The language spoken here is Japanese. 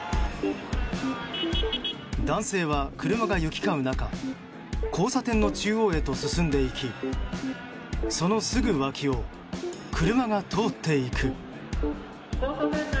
男性は車が行き交う中交差点の中央へと進んでいきそのすぐ脇を車が通っていく。